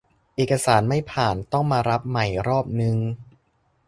เอกสารไม่ผ่านต้องมารับใหม่รอบนึง